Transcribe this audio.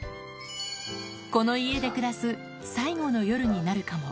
この家で暮らす最後の夜になるかも。